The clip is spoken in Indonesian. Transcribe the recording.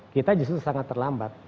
kita justru sangat terlambat